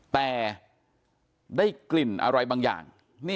แต่ได้กลิ่นอะไรบางอย่าง